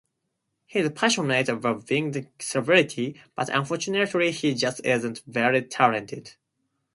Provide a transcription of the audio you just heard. He is passionate about being a celebrity, but unfortunately he just isn't very talented.